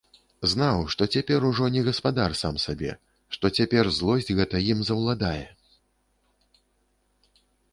Знаў, што цяпер ужо не гаспадар сам сабе, што цяпер злосць гэта ім заўладае.